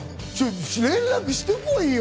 連絡してこいよ。